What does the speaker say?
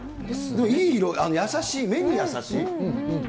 いい色、優しい、目に優しい。